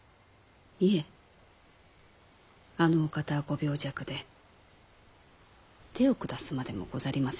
いえあのお方はご病弱で手を下すまでもござりませんでした。